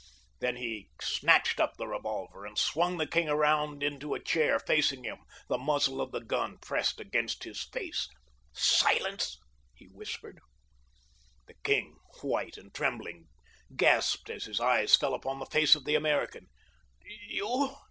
Then he snatched up the revolver and swung the king around into a chair facing him, the muzzle of the gun pressed against his face. "Silence," he whispered. The king, white and trembling, gasped as his eyes fell upon the face of the American. "You?"